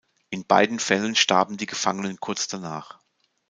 In beiden Fällen starben die Gefangenen kurz danach.